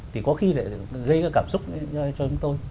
thì có khi lại gây ra cảm xúc cho chúng tôi